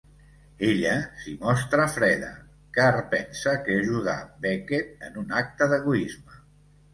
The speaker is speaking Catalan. Ella s'hi mostra freda, car pensa que ajudà Beckett en un acte d'egoisme.